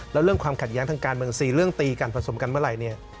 แล้วเรื่องความขัดแย้งทางการเมือง๔เรื่องตีกันผสมกันเมื่อไหร่เนี่ย